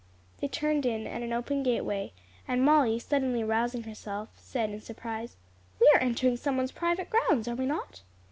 They turned in at an open gateway, and Molly, suddenly rousing herself, said, in surprise, "We are entering some one's private grounds, are we not?"